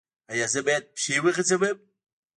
ایا زه باید پښې وغځوم؟